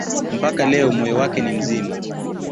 Mpaka leo moyo wake ni mzima.